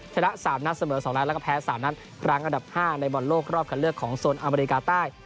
ชนะ๓นัดเสมอ๒นัดแล้วก็แพ้๓นัดครั้งอันดับ๕ในบอลโลกรอบคันเลือกของโซนอเมริกาใต้